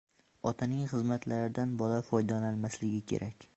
Otaning xizmatlaridan bola foydalanmasligi kerak.